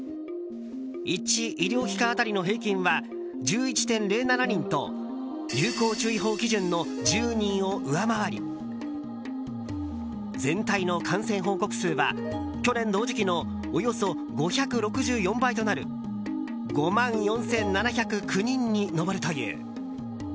１医療機関当たりの平均は１１．０７人と流行注意報基準の１０人を上回り全体の感染報告数は去年同時期のおよそ５６４倍となる５万４７０９人に上るという。